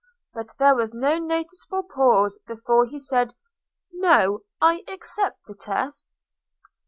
But there was no noticeable pause before he said, "No. I accept the test."